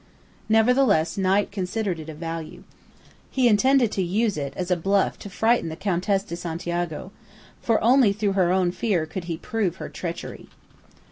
Nevertheless, Knight considered it of value. He intended to use it as a bluff to frighten the Countess de Santiago, for only through her own fear could he prove her treachery.